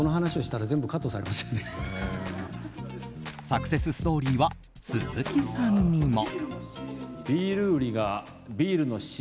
サクセスストーリーは鈴木さんにも。